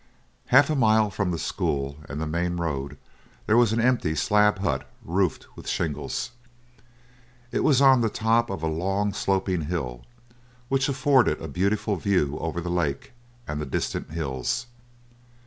Half a mile from the school and the main road there was an empty slab hut roofed with shingles. It was on the top of a long sloping hill, which afforded a beautiful view over the lake and the distant hills.